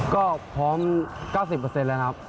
ก็พร้อม๙๐แล้วนะครับ